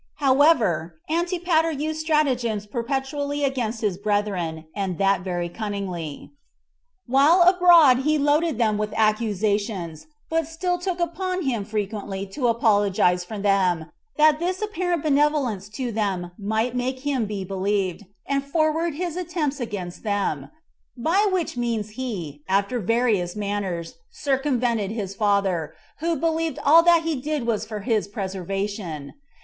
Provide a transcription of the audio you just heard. However, Antipater used stratagems perpetually against his brethren, and that very cunningly; while abroad he loaded them with accusations, but still took upon him frequently to apologize for them, that this apparent benevolence to them might make him be believed, and forward his attempts against them; by which means he, after various manners, circumvented his father, who believed all that he did was for his preservation.